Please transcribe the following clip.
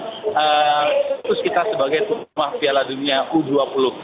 terus kita sebagai tumpah piala dunia u dua puluh